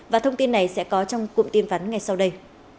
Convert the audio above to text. và thông tin này sẽ có trong cuộn tin vắn ngày sau đây